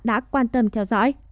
đã quan tâm theo dõi